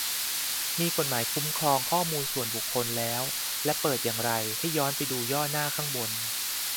มีกฎหมายคุ้มครองข้อมูลส่วนบุคคลแล้ว และเปิดอย่างไรให้ย้อนไปดูย่อหน้าข้างบน